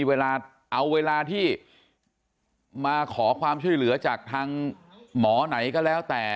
เวลาเอาเวลาที่มาขอความช่วยเหลือจากทางหมอไหนก็แล้วแต่